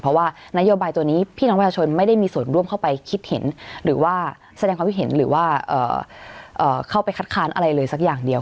เพราะว่านโยบายตัวนี้พี่น้องประชาชนไม่ได้มีส่วนร่วมเข้าไปคิดเห็นหรือว่าแสดงความคิดเห็นหรือว่าเข้าไปคัดค้านอะไรเลยสักอย่างเดียว